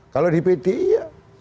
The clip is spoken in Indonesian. kalau di pdi ya